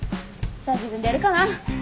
じゃあ自分でやるかな。